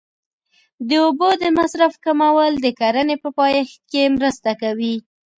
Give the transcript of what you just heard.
د اوبو د مصرف کمول د کرنې په پایښت کې مرسته کوي.